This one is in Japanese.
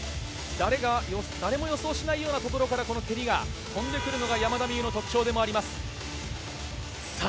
誰も予想しないようなところから蹴りが飛んでくるのが山田美諭の特徴でもあります。